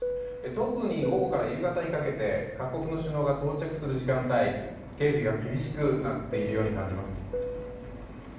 特に午後から夕方にかけて各国の首脳が到着する時間帯警備が厳しくなっているように感じます。